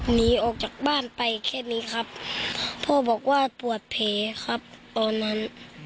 หนีออกจากบ้านไปแค่นี้ครับพ่อบอกว่าปวดแผลครับตอนนั้น